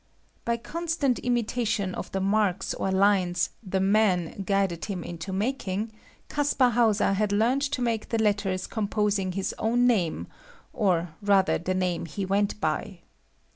By constant imitation of the marks or lines "the man" guided him into making, Caspar Hauser had learnt to make the letters composing his own name, or rather the name he went by.